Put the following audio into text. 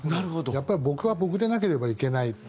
やっぱり僕は僕でなければいけない。